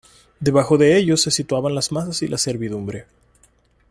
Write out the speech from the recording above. Debajo de ellos se situaban las masas y la servidumbre.